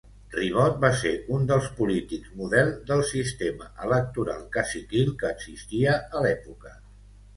Ribot va ser uns dels polítics model del sistema electoral caciquil que existia a l'època.